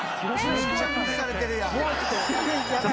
めっちゃ無視されてるやん。